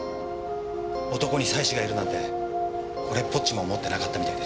男に妻子がいるなんてこれっぽっちも思ってなかったみたいです。